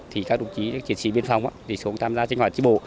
thì các đồng chí các triển sĩ biên phong thì xuống tham gia sinh hoạt tri bộ